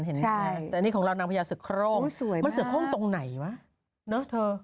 เห็นใช่แต่อันนี้ของเรานางพญาเสือโครงมันเสือโครงตรงไหนวะเนอะเธอ